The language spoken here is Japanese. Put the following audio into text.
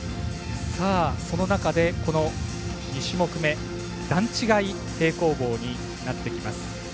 その中で２種目め、段違い平行棒になっていきます。